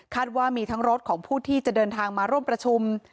ว่ามีทั้งรถของผู้ที่จะเดินทางมาร่วมประชุม